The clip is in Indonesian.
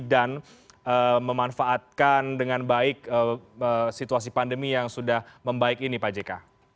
dan memanfaatkan dengan baik situasi pandemi yang sudah membaik ini pak jk